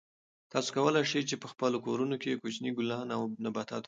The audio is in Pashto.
تاسو کولای شئ چې په خپلو کورونو کې کوچني ګلان او نباتات وکرئ.